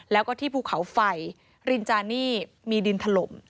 แล้วก็ที่ภูเขาไฟรินจานี่มีดินถล่ม